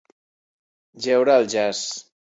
Jeure al jaç.